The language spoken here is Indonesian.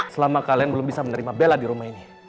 selama kalian belum bisa menerima bela di rumah ini